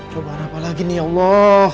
coba ada apa lagi nih ya allah